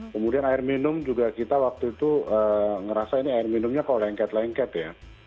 kemudian air minum juga kita waktu itu ngerasa ini air minumnya kalau lengket lengket ya